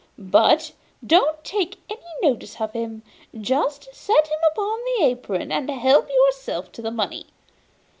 But don't take any notice of him; just set him upon my apron, and help yourself to the money.